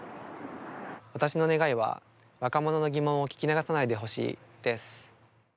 私の願いは若者の疑問を聞き逃さないでほしいです。